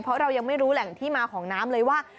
เพราะเรายังไม่รู้แหล่งที่มาของน้ำเลยว่า